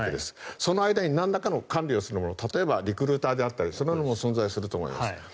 その間になんらかの管理をする者リクルーターだったりがそれらも存在すると思います。